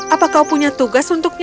apakah kau punya tugas untuknya